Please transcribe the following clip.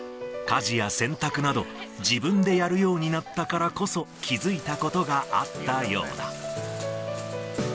家事や洗濯など、自分でやるようになったからこそ気付いたことがあったようだ。